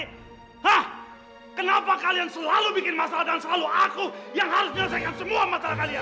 hah kenapa kalian selalu bikin masalah dan selalu aku yang harus menyelesaikan semua masalah kalian